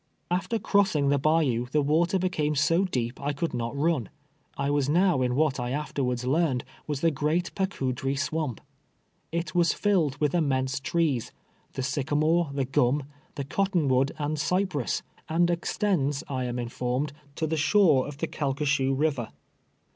After crossing this hayou the water hecame so deep I could not run. I was now in what I after wards learned was the " Great Pacoudrie Swamp." It was filled with immense trees — the sycamore, the gum, the cotton wood and cypress, and extends, I am informed, to the shore of the Calcasieu river.